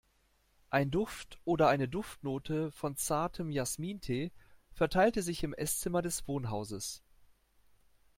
Ein Duft oder eine Duftnote von zartem Jasmintee verteilte sich im Esszimmer des Wohnhauses.